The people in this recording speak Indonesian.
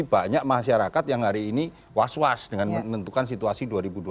banyak masyarakat yang hari ini was was dengan menentukan situasi dua ribu dua puluh